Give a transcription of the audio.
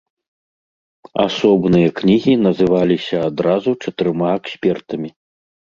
Асобныя кнігі называліся адразу чатырма экспертамі.